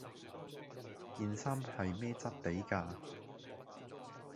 件衫係咩質地架